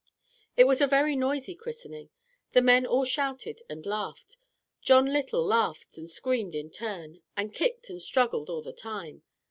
It was a very noisy christening. The men all shouted and laughed. John Little laughed and screamed in turn, and kicked and struggled all the time.